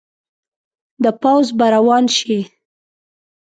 د پوځ به روان شي.